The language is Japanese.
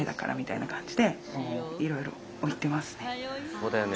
そうだよね